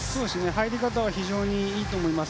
入り方は非常にいいと思います。